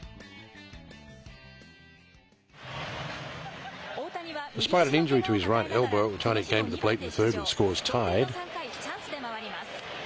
同点の３回、チャンスで回ります。